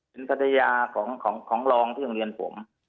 เป็นภรรยาของรองที่โรงเรียนผม